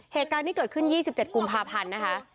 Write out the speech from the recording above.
เหตุการณ์นี้เกิดขึ้น๒๗กุมภาพันธ์นะคะ